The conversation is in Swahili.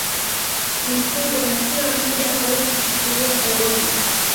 mikubwa Na kila mmoja aweze kushikilia kaboni